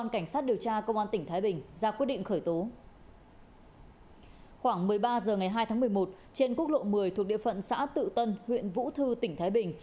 khoảng một mươi ba h ngày hai tháng một mươi một trên quốc lộ một mươi thuộc địa phận xã tự tân huyện vũ thư tỉnh thái bình